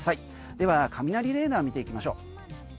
では雷レーダーを見ていきましょう。